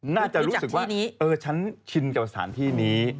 น่าจะรู้สึกว่าเออฉันชินกับสถานที่นี้